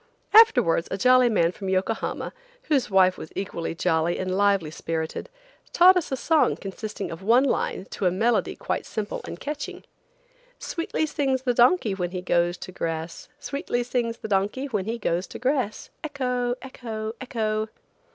Afterwards a jolly man from Yokohama, whose wife was equally jolly and lively spirited, taught us a song consisting of one line to a melody quite simple and catching. "Sweetly sings the donkey when he goes to grass, Sweetly sings the donkey when he goes to grass, Ec ho! Ec ho! Ec ho!"